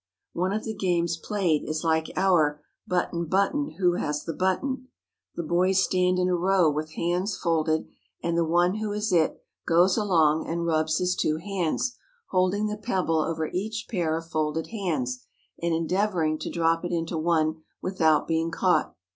One of the games played is like our " Button, button, who has the button?" The boys stand in a row with hands folded and the one who is "it" goes along and rubs 182 WHERE OUR SAVIOUR SPENT HIS BOYHOOD his two hands, holding the pebble over each pair of folded hands and endeavouring to drop it into one without being caught.